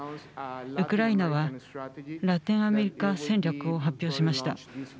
ウクライナはラテンアメリカ戦略を発表しました。